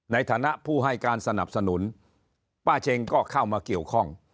ในฐานะผู้ให้การสนับสนุนป้าเช็งก็เข้ามาเกี่ยวข้อง